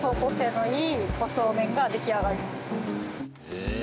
へえ。